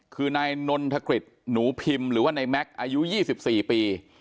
คือนายนนทกฤษหนูพิมพ์หรือว่านายแม็กซ์อายุ๒๔ปี